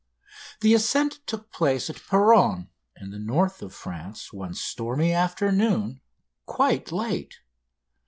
The ascent took place at Péronne, in the north of France, one stormy afternoon, quite late.